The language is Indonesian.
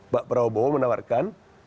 pak prabowo menawarkan